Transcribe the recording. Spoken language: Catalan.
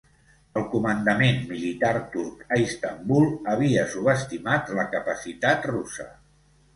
El comandament militar turc a Istanbul havia subestimat la capacitat russa.